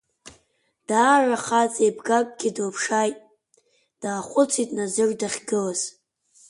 Даара хаҵа еибгакгьы дылԥшааит, даахәыцит назыр дахьгылаз.